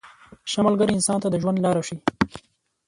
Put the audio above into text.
• ښه ملګری انسان ته د ژوند لاره ښیي.